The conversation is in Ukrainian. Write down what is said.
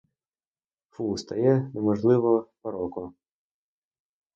Фу, стає неможливо парко.